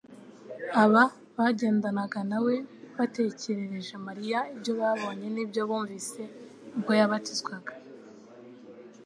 Aba bagendanaga na we batekerereje Mariya ibyo babonye n’ibyo bumvise ubwo yabatizwaga,